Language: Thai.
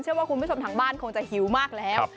ว่าคุณผู้ชมทางบ้านคงจะหิวมากแล้ว